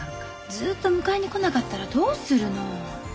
ずっと迎えに来なかったらどうするの？